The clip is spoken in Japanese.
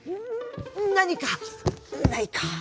何かないか？